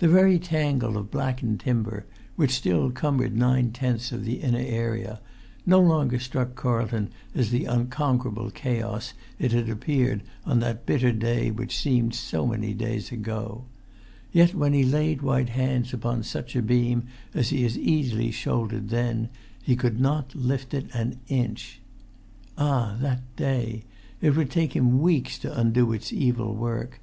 The very tangle of blackened timber, which still cumbered nine tenths of the inner area, no longer struck Carlton as the unconquerable chaos it had appeared on that bitter day which seemed so many days ago; yet, when he laid white hands upon such a beam as he had easily shouldered then, he could not lift it an inch. Ah, that day! It would take him weeks to undo its evil work.